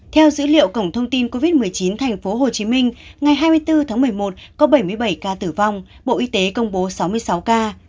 theo dữ liệu cổng thông tin covid một mươi chín thành phố hồ chí minh ngày hai mươi bốn tháng một mươi một có bảy mươi bảy ca tử vong bộ y tế công bố sáu mươi sáu ca